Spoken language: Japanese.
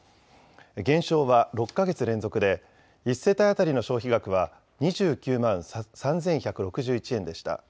減少は６か月連続で１世帯当たりの消費額は２９万３１６１円でした。